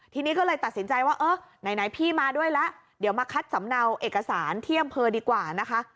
ทีนี้ก็เลยตัดสินใจว่าเออไหนพี่มาด้วยแล้วเดี๋ยวมาคัดสำเนาเอกสารที่อำเภอดีกว่านะคะ